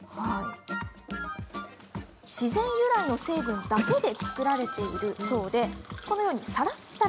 自然由来の成分だけで作られているそうでこのように、さらさら。